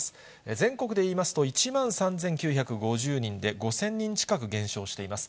全国で言いますと１万３９５０人で５０００人近く減少しています。